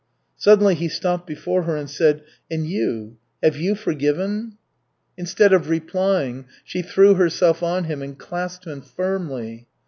Suddenly he stopped before her and said: "And you have you forgiven?" Instead of replying she threw herself on him and clasped him firmly.